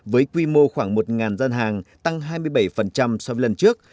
với quy mô khoảng một gian hàng tăng hai mươi bảy so với lần trước